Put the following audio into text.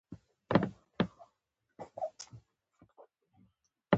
. له دې درو څخه د چک ولسوالۍ